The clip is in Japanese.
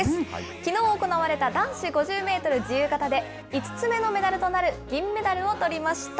きのう行われた男子５０メートル自由形で、５つ目のメダルとなる銀メダルをとりました。